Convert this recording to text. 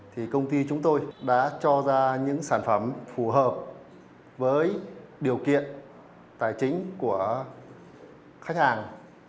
thì công ty chúng tôi đã cho ra những sản phẩm phù hợp với điều kiện tài chính của khách hàng